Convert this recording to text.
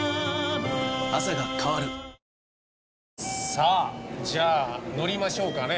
さあじゃあ乗りましょうかね。